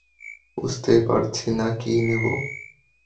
বুঝতেই পারছি না কি নেবো?